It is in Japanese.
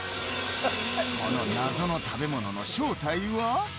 この謎の食べ物の正体は？